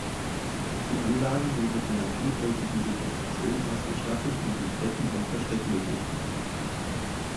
Die Anlagen sind mit einer vielfältigen Vegetation ausgestattet und enthalten auch Versteckmöglichkeiten.